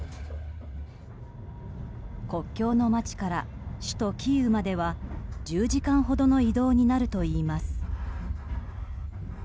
国境の街から首都キーウまでは１０時間ほどの移動になるといいます。